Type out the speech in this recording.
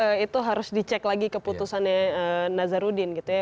iya sebetulnya itu harus dicek lagi keputusannya nazaruddin gitu ya